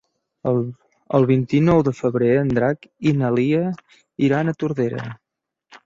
El vint-i-nou de febrer en Drac i na Lia iran a Tordera.